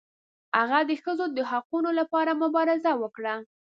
هغه د ښځو د حقونو لپاره مبارزه وکړه.